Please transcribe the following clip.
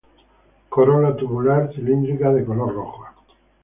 Corola tubular, cilíndrica de color roja.